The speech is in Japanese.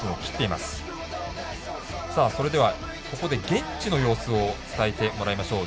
それでは、ここで現地の様子を伝えてもらいましょう。